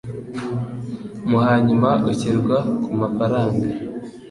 mu hanyuma ushyirwa ku mafaranga